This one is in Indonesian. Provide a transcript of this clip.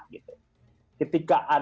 ketika ada tanggapan